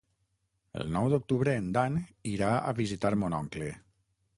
El nou d'octubre en Dan irà a visitar mon oncle.